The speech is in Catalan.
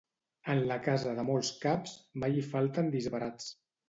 En la casa de molts caps, mai hi falten disbarats.